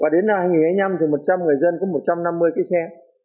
và đến năm hai nghìn năm thì một trăm linh người dân có một trăm năm mươi cái xe